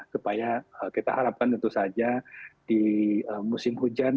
supaya kita harapkan tentu saja di musim hujan